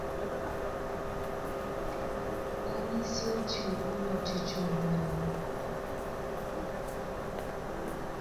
onyeisioche okpuru ọchịchị Ogbaru